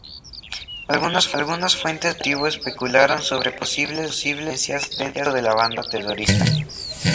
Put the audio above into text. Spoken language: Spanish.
Algunas fuentes del Ejecutivo especularon sobre posibles disidencias dentro de la banda terrorista.